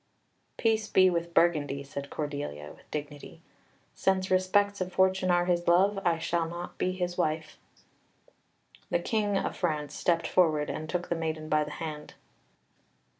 "Peace be with Burgundy!" said Cordelia with dignity. "Since respects of fortune are his love, I shall not be his wife." The King of France stepped forward and took the maiden by the hand.